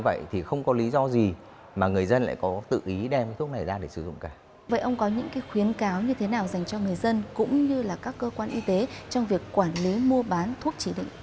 vậy ông có những khuyến cáo như thế nào dành cho người dân cũng như các cơ quan y tế trong việc quản lý mua bán thuốc chỉ định